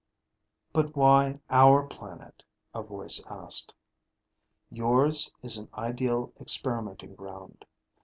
"But why our planet?" a voice asked. "Yours is an ideal experimenting ground.